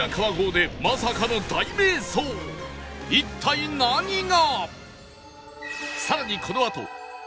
一体何が！？